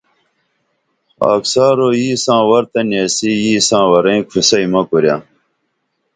خاکسارو یی ساں ور تہ نیسی یی ساں ورئیں کُھوسئی مہ کُریہ